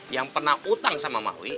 yang pernah utang sama mahwi